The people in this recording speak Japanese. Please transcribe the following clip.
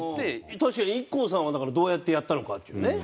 確かにＩＫＫＯさんはだからどうやってやったのかっていうね。